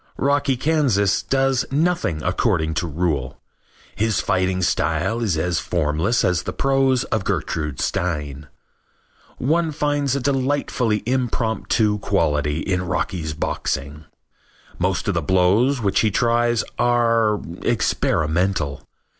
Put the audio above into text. Rocky Kansas does nothing according to rule. His fighting style is as formless as the prose of Gertrude Stein. One finds a delightfully impromptu quality in Rocky's boxing. Most of the blows which he tries are experimental.